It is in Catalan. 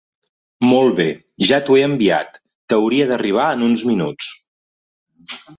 Molt bé, ja t'ho he enviat, t'hauria d'arribar en uns minuts.